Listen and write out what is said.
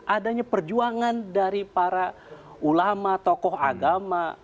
adanya perjuangan dari para ulama tokoh agama